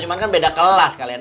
cuman kan beda kelas kalian